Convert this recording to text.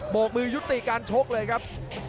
กมือยุติการชกเลยครับ